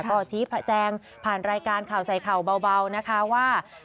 ก็ชี้แจงผ่านรายการข่าวใส่ข่าวเบานะคะว่า